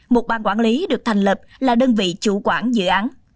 một bang quản lý được thành lập là đơn vị chủ quản dự án